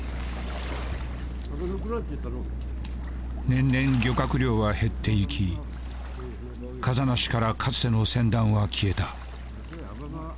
年々漁獲量は減っていき風成からかつての船団は消えた。